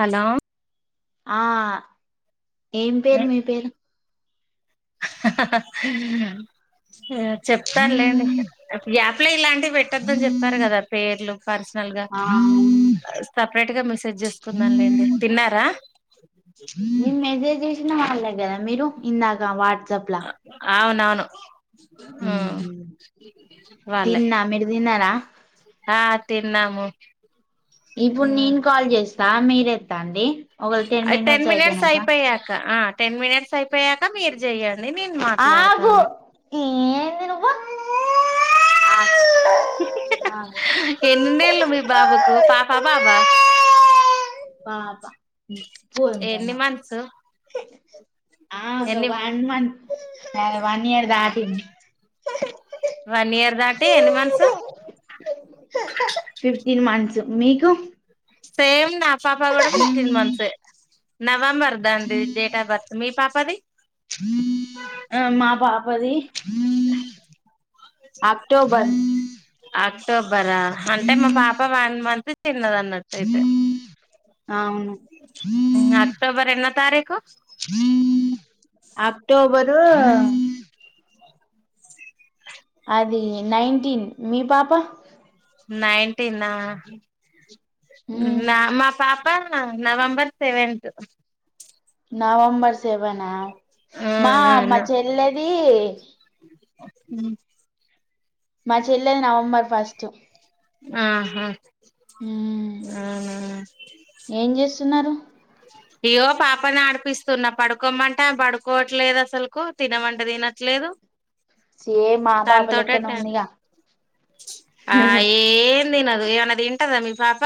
Hello ఆ ఏం పేరు మీ పేరు చెప్తాన్లేండి గ్యాప్లో ఇలాంటివ్ పెట్టొద్దని చెప్పారు గదా పేర్లు పర్సనల్ గా, ఆ సపరేట్ గా మెసేజ్ చేసుకుందాం లేండి తిన్నారా. నేన్ మెసేజ్ చేశినా వాళ్ళే గదా మీరు ఇందాక వాట్ అవునవును ఊ ఊహు. వాళ్ళే తిన్నా మీరు తిన్నారా ఆ తిన్నాము ఇప్పుడు నేన్ కాల్ చేస్తా మీర్ ఎత్తండి. అయ్ టెన్ మినెట్స్ అయిపొయ్యాక ఆ టెన్ మినెట్స్ అయిపొయ్యాక మీర్ జెయ్యాల్ నేన్ నేన్ ఆగు మాట్లాడతాను. ఏంది నువ్వు ఆగు ఆగు. ఎన్ని నెళ్ళు మీ బాబుకు పాపా బాబా పాప పోయింది బొమ్మ ఎన్ని మంత్స్ ఆ ఎన్ని వాన్మాంత్ అ వన్ ఇయర్ దాటింది వన్ ఇయర్ దాటి ఎన్ని మంత్స్ ఫిఫ్టీన్ మంత్స్ మీకు సేమ్ నా పాప కూడా ఫిఫ్టీన్ మంత్స్ నవంబర్ దాంది డేట్ ఆఫ్ బర్త్ మీ పాప మా పాపది అక్టోబర్ అక్టోబర్ ఆ అంటే మా పాప వన్ మంత్ చి చిన్నద అన్నట్టు అయితే అవును ఎన్నో తారీఖు అక్టోబరు అది నైన్టీన్ మీ పాప నైన్టీన్ మ్మ్ నా మా పాప నవంబర్ సెవెంతత్ నవంబర్ సెవెనా ఆ మా మా చెల్లెది మ్ మా చెల్లెది నవంబర్ ఫస్ట్ ఆ హా మ్మ్ మ్... ఏం చేస్తున్నారు ఇయ్యో పాపని ఆడిపిస్తున్నా పడుకోమంటే ఆంవి పడుకోవట్లేదు అసలుకు తినమంట తినట్లేదు సేమ్ మా తన పాప తోటె లెక్కనే టై ఉందిగా ఆ ఏందినదు ఏమన దింటదా మీ పాప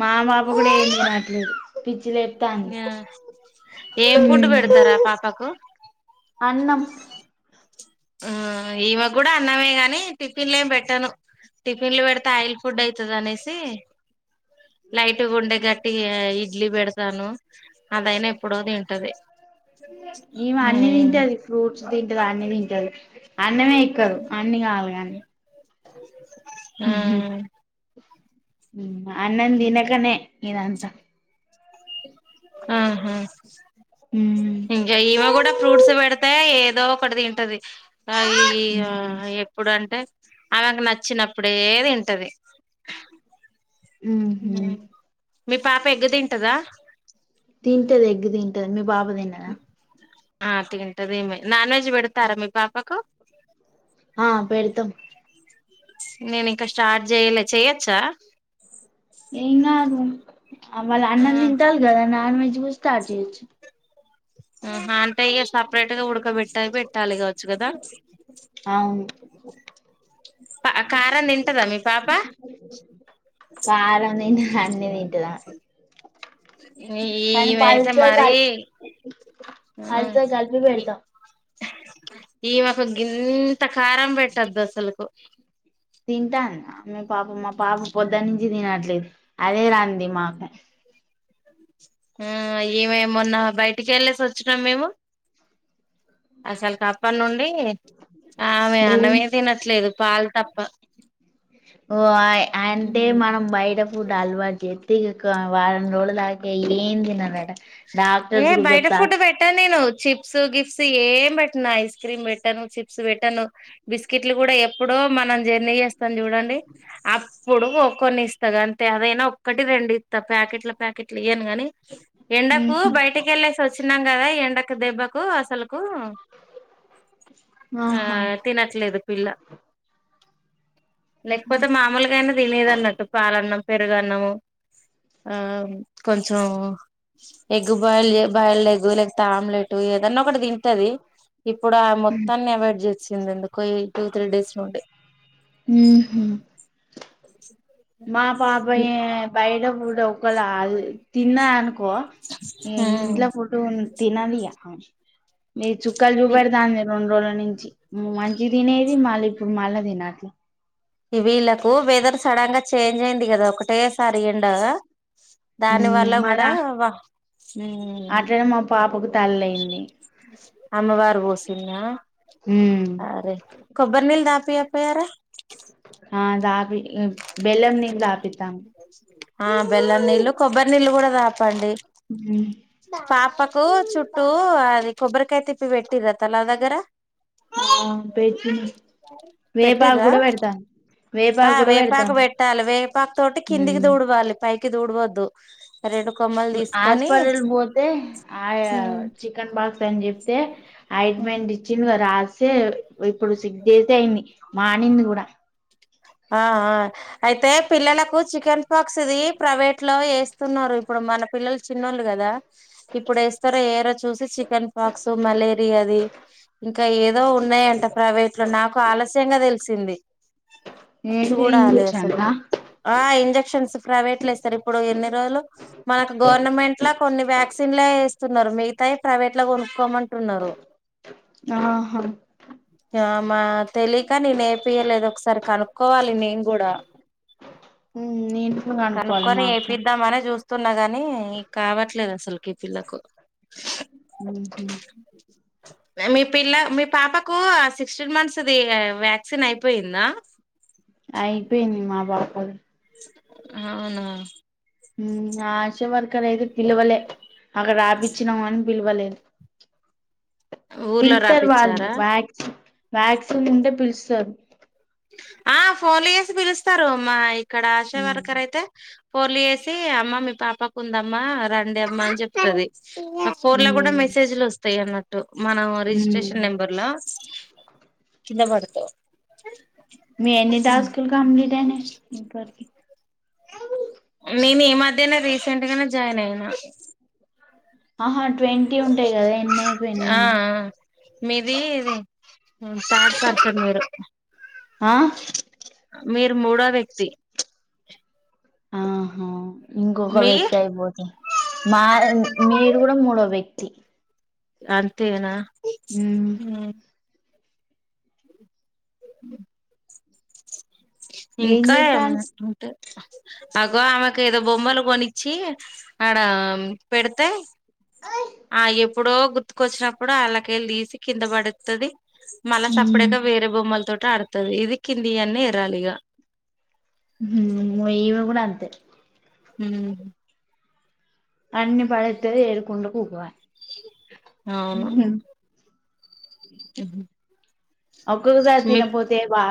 మా పాప కూడా ఏం తినట్లేదు పి చ్చి లేపుతాంది ఏం ఫుడ్ పెడతారా పాపకు అన్నం మ్ ఈమె గూడా అన్నామే గాని టిఫిన్లేం పెట్టాను టిఫిన్ లు పెడితే ఆయిల్ ఫుడ్ అయితది అనేసి లైట్ గ ఉండ గట్టి ఇడ్లీ బెడతాను అదైన ఎప్పుడో తింటది ఈమె అన్ని మ్మ్ తింటది ఫ్రూట్స్ తింటది అన్ని తింటది అన్నమే ఎక్కదు అన్ని కావాలి కాని మ్ అన్నం దినకనే ఇదంత ఆ. హా ఇంకాఈవ కూడా ఉహు ఫ్రూట్స్ పెడతే ఏదో ఒక్కటి తింటది ఆగి ఇగో ఎప్పుడు అంటే ఆమెక నచ్చ ఇచ్చినప్పుడే తింటది మ్.. హుమ్మ్ మీ పాప ఎగ్ తింటదా తింటది ఎగ్ తింటది మీ పాప తినదా ఆ తింటదీమె నాన్ వెజ్ పెడతారా మీ పాపకు ఆ పెడుతం నేను ఇంకా స్టార్ట్ చెయ్యాలే చేయొచ్చా ఏం కాదు వాలు ఆ అన్నం తింటాలు కదా నాన్ వెజ్ కూడా స్టార్ట్ చేయొచ్చు అహ అంటే ఇష్ట సపరేట్ గా ఉడకబెట్టాక పెట్టాలి కావచ్చు కదా అవును కారం తింటదా మీ పాప కారం తింటది అన్నీ తింటది అమి ఈమెయితే మరి హల్ చ గల్పి పెడత ఈమె ఒక గింత కారం పెట్టదు అసలుకు తింటాన్దా మీ పాప మా పాప పొద్దట్నుంచి తినట్లేదు అదే రంది మాకు ఆ ఈమే మొన్నా బయటికెళ్ళసి వచ్చినాం మేము అసల్కప్పనుండి ఆమె ఏది అన్నమే తినట్లేదు పాలు తప్ప వాయ్ అంటే మనం బయట ఫుడ్ అలవాటు చేయోద్ తె ఇగ కా వారం రోజుల దాకా ఏం తినదట ఏ డాక్టర్స్ కూడా బయట ఫుడ్ చెప్తారు బేట్టాన్ నేను చిప్స్ గిఫ్ట్స్ ఏం పెట్ ఐస్ క్రీమ్ బేట్టాను చిప్స్ బేట్టాను బిస్కెట్లు గూడ ఎప్పుడో మనం జర్నీ జేస్తాం చూడండి అప్పుడు కొన్ని ఇస్త గంతే, అదైనా ఒక్కటి రెండు ఇత్త ప్యాకెట్ల ప్యాకెట్లు ఇయ్యను గన్ నీ ఎండకు ఉహు బయటికెళ్ళేసి వచ్చినాం గదా ఎండకు దెబ్బకు అసలు ఆ ఆహా తినట్లేదు పిల్ల లేకపోతే మామూలుగన్న తినేదన్నట్టు పాలన్నం పెరుగన్నము ఆ కొంచెం ఎగ్ బాయిల్ జె బాయిల్డ్ లేకపోతే ఆమ్లెట్ ఏదన్న ఒకటి తింటది ఇప్పుడా మొత్తాన్ని అవాయిడ్ చేసింది ఎందుకో టూ త్రీ డేస్ నుండి ఉమ్ హు మా పాప ఏ బయట ఫుడ్ ఒకళ తిన్న దనుకో ఇగ ఇంట్ల ఫుడ్ తినదిగ ఆమె నీ చుక్కలు చూపెడతాంది రెండ్రోజుల నున్ నించి ఉమ్ మంచిగ తినేది మళ్ళీప్పుడు మళ్ళ తినట్లే ఇ వీళ్ళకు వెదర్ సడన్ గా చేంజ్ అయింది గదా ఒకటే సారి ఎండ దాని మ్మ్ వల్ల గుడా మళ్ళా వా ఊమ్ అట్లనే మా పాపకు తల్లయింది అమ్మవారు పోసిందా మ్మ్ అరె కొబ్బరినీల్ దాపియకపోయరా ఆ దాపి బెల్లం నీళ్ళు తాపిత్తాం ఆ బెల్లం నీళ్లు, కొబ్బరి నీల్లు గుడ తాపండి, పాపకు చుట్టూ అది కొబ్బరికాయ తిప్పి పెట్టిర్ర తలా దగ్గర వేపాగ్గుడ పెట్టిర్రా పెడతాంది ఆ వేపాక్ వేపాకు పెట్టాలె, వేపాకు తోటి కిందికి ఉమ్ దూడవాలి పైకి దూడవద్దు రెండు కొమ్మలు ఆస్ తీసుకొని పటల్ పోతే ఆ ఉమ్ చికెన్ బాక్స్ ద్దన్ జెప్తే ఉమ్ ఐట్మెంట్ ఇచ్చిండు గదా రాస్ సే ఇప్పుడు సిగ్దయితే అయింది మానింది గూడా ఆ ఆ అయితే పిల్లలకు చికెన్ పాక్స్ ది ప్రైవేట్లో ఏస్తున్నరు ఇప్పుడు మన పిల్లలు చిన్నోళ్ళు గదా ఇప్పుడు ఏస్తరో ఏయరో చూసి చికెన్ పాక్స్ మలేరియది ఇంకా ఏదో ఉన్నయంట ప్రైవేట్ లో, నాకు ఆలస్యంగా తెలిసింది ఏంటి చూడాలి ఇంగ్లీష్ అంట అసల్కు ఆ ఇంజక్ క్ష్న్స్ ప్రైవేట్ ల ఏస్తరిప్పుడు ఇన్ని రోజులు మనకు గవర్నమెంట్ల కొన్ని వ్యాక్సిన్లే ఏస్తున్నరు మిగతాయి ప్రైవేట్ ల గొనుక్కోమంటున్నారు ఆహా ఆ మా తెలీక నేనేపియలేదు ఒక్స సరి కనుక్కోవాలి నేను గూడా నేను కూడా కనుక్కోవాలి కనుక్కొని మా అక్క ఏపిద్దామనే జూస్తున్న గని నీ ఇ కావట్లేదు అసల్కి పిల్లకు ఉమ్ హు మీ పిల్ల మీ పాపకు సిక్స్టీన్ మంత్స్ ది వ్యాక్సిన్ అయిపోయిందా? అయిపోఇంది మా బాపది అవునా ఉమ్ ఆశ వర్క్ ర్ అయితే పిలవలే, అక్కడ రాపిచ్చినము గని పిలవలేదు. ఊర్లో పిలుస్తారు వాళ్ళు రాపిచ్చారా వ్యాక్స్ వ్యాక్సిన్ ఉంటే పిలుస్తారు ఆ ఫోన్ చేసి పిలుస్తారు మా ఇక్కడ ఆశ వర్కర్ అయితే ఫోన్ చేసి అమ్మ మీ పాపకు ఉందమ్మా రండి అమ్మ అని చెప్తుది ఆ ఫోన్ లో కూడా మెసేజ్లు వస్తాయి అన్నటు మనం రిజిస్ట్రేషన్ నెంబర్ లో కింద పడతావ్ మీఈ ఎన్ని టాస్కులు కంప్లీట్ అయినప్పటికీ నేను ఈ మధ్యన రీసెంట్ గానే జాయిన్ అయినా ఆహా ట్వంటీ ఉంటాయి కదా ఎన్ని ఆ అయిపోయినాఈ మీది ట్రాన్స్ఫర్ వేరు ఆ మీరు మూడో వ్యక్తి ఆహో ఇంకొక మీ వ్యక్తి అయిపోతే మా మీరు కూడా మూడో వ్యక్తి అంతేనా ఉ ఏం ఇంకా చేత్తాండు అట్లా ఉంటది అగో ఆమెకు ఏదో బొమ్మలు కొనిచ్చి ఆడ పెడతే ఆ ఎప్పుడో గుర్తుకొచ్చినప్పుడు వాళ్ళక వెళ్ళి తీసి కింద పడుతది మళ్ళా ఉమ్ సపడేట్గా వేరే బొమ్మల తోటి ఆడుతుది ఇది కింది అన్న ఎరాలిగ ఉ ఈమె కూడా అంతే ఉ అన్ని పడేత్తది ఏరుకుంటూ కూర్చోవాలి అవును ఒక్కొక్కసారి తినపోతేవా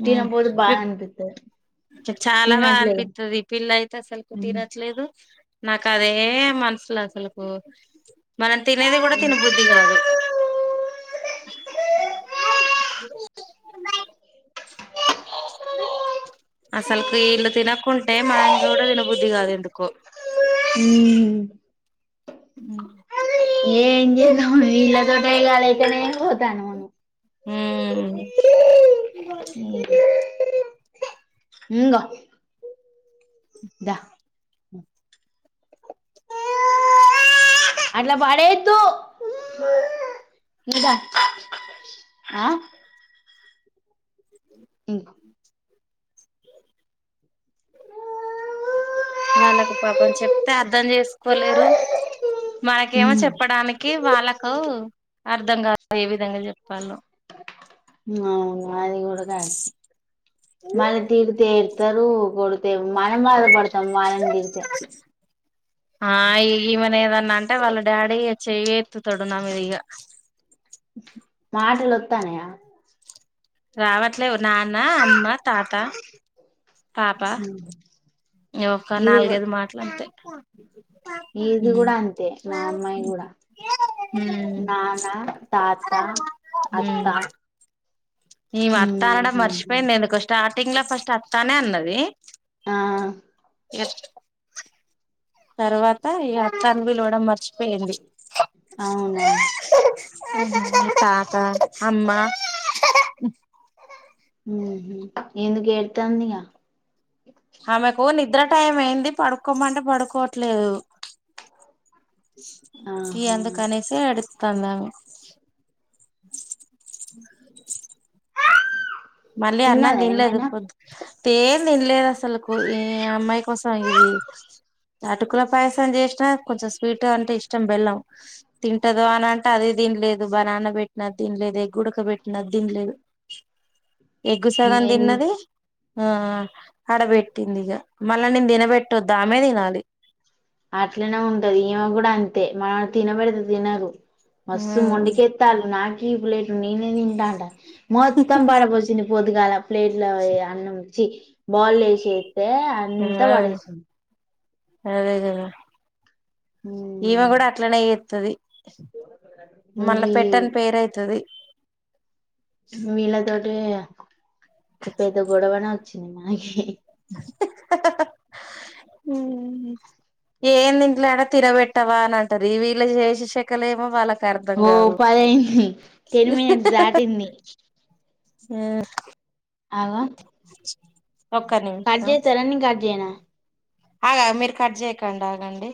ఉ మీ చాలా బాగా తినట్లే అనిపిస్తుది పిల్ల అయితే అసలు తీ ఉమ్ రట్లేదు నాకు అదే మనసు అసలకు మనం తినేది కూడా తినబుద్ధి కాదు ఐస్ క్రీమ్ బయట తిందాం అసలుకి ఇల్లు తినకుంటే మనకు కూడా తినబుద్ధది కాదు ఎందుకో ఉ ఏ ఏం చే ఇలాతో ట గాలతేనే పోతాను మన ఉ ఇంగో దా అట్ల పడేయదు దా ఆ ఉ అ ఊ వాళ్ళకు పాపం చెప్తే అర్ధం చేసుకోలేరు మనకేమో చెప్పడానికి వాళ్ళకు అర్ధం కాదు ఏ విధంగా చెప్పాలో అవును అది కూడా కరెక్టే మళ్ళీ తిడితే ఏడుస్తారు మనం బాధపడతాం వాళ్ళని తిడితే ఆ ఈమెను ఏమన్నా అంటే వాళ్ళ డాడీ చెయ్యి ఎత్తుతాడు నా మీది ఇగ మాటలు అత్త అన్నయ్య రావట్లేవు నాన్న అమ్మ తాత పాప ఒక ఇది కూడా నాలుగైదు మాటలత్తయ్ ఇది కూడా అంతే మా అమ్మాయి కూడా ఉమ్ నాన్న తాత హుం అత్త ఈమే అత్తా అనడం ఉహు. మర్చిపోయింది ఎందుకో స్టార్టింగ్ లో ఫస్ట్ అత్తానే అన్నది ఆ ఇగ తర్వాత ఇగ అత్త అని విలువడం మర్ అవునా తాతా అమ్మా మ్ హు ఎందుకు ఏడుతంది గా ఆమెకు నిద్ర టైం అయింది పడుకోమంటే పడుకోవట్లేదు ఇగ ఆహా అందుకనేసి ఎడ్ తంది ఆమె మళ్ళీ అన్న తిన్నదా తీంల్లేదు ఏమైనా పోద్ తే తిండిలేదుసాలకు ఈ అమ్మాయి కోసం ఇది అటుకుల పాయసం చేసినా కొంచెం స్వీట్ అంటే ఇష్టం బెల్లం తింటదో అని అంటే అది తి తన్లేదు బనాన్న పెట్టిన తిన్లేదు ఎగ్ ఉడక పెట్టిన అది తీంన్లేదు ఎగ్గు సగం ఎన్ని తిన్నది ఆ అడబెట్టింది ఇగ మళ్ళా నేను తినబెట్టొద్దు ఆమె తినాలి అట్లనే ఉంటది ఈమె కూడా అంతే మనం తినబెడితే తినదు ఆ మస్సు మొండికేత్తాలు నాకి ప్లేట్ నేనే తింటాన్ మొత్తం పడపోచ్చింది పొద్దుగాల ప్లేట్లో ఏ అన్నంచి చి బాల్లెసెద్ దే అంతా పడెసింద్ అదే కదా ఈమె ఉమ్ కూడా అట్లనే చెత్తాది మళ్ళా ఈ పెట్టని పేరయితది వీళ్ళ తోటే ఒక పెద్ద గొడవనే వచ్చింది మనకి హు ఎం తిట్టాలె అడ తినబెట్టవా అని అంటారు వీళ్ళ చేసే శేఖలేమొ వాళ్ళక్ ఒ పది ఆఇంది టెన్ మినిట్స్ దాటింది ఆ ఆగో కడ్ చెత్తర నిను కట్ చేయనా ఆగాగు మీరు కట్ చేయకండి ఆగండి